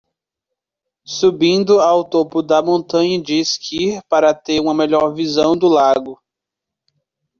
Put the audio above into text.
Subindo ao topo da montanha de esqui para ter uma melhor visão do lago